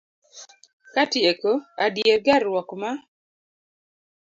Katieko, adier gerruok ma